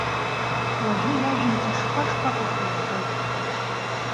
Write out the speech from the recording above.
Уажәы иажәымҭа шԥашкәакәахеи рҳәоит.